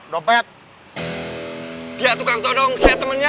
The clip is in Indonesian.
dopet dia tukang todong saya temennya